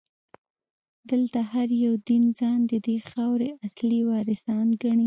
دلته هر یو دین ځان ددې خاورې اصلي وارثان ګڼي.